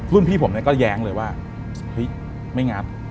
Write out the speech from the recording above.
รุ่นพี่ผมก็แย้งเลยว่าไม่งัด